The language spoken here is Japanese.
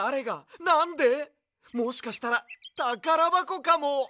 もしかしたらたからばこかも！